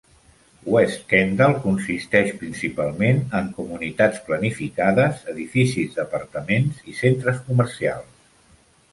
West Kendall consisteix principalment en comunitats planificades, edificis d'apartaments i centres comercials.